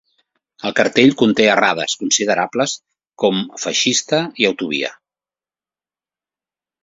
El cartell conté errades considerables com feixiste i autovía.